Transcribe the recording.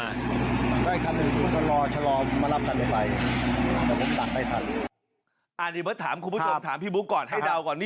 อันนี้เบิร์ตถามคุณผู้ชมถามพี่บุ๊คก่อนให้เดาก่อน